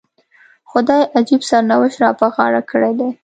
خدای عجیب سرنوشت را په غاړه کړی دی.